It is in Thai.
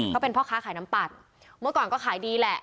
เขาเป็นพ่อค้าขายน้ำปั่นเมื่อก่อนก็ขายดีแหละ